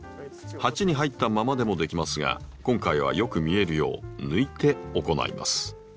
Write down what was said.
鉢に入ったままでもできますが今回はよく見えるよう抜いて行います。